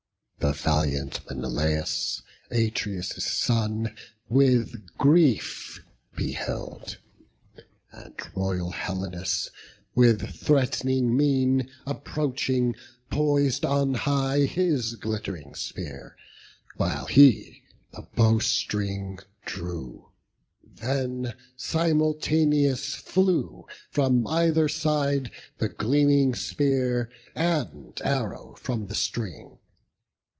The valiant Menelaus, Atreus' son, With grief beheld; and royal Helenus With threat'ning mien approaching, pois'd on high His glitt'ring spear, while he the bowstring drew. Then simultaneous flew from either side The gleaming spear, and arrow from the string.